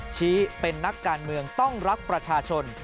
ชี้เป็นนักการเมืองต้องรักประชาชน